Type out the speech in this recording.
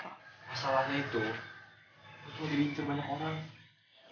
masalahnya itu gue takut lo jadi cerminak ngomong